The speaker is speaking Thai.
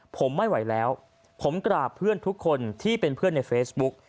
ผมไม่ไหวแล้วผมกราบเพื่อนทุกคนที่เป็นเพื่อนในเฟซบุ๊ก